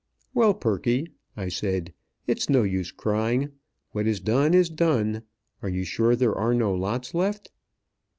"Well, Perky," I said, "it is no use crying. What is done is done. Are you sure there are no lots left?"